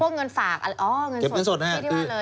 พวกเงินฝากอ๋อเก็บเงินสดไว้ที่บ้านเลย